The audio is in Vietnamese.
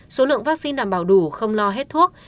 số lượng vaccine đảm bảo đủ không lo hết thuốc